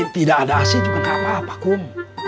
tidak ada ac juga gak apa apa kum